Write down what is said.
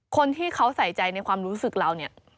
คนที่เขาใส่ใจในความรู้สึกเราเนี่ย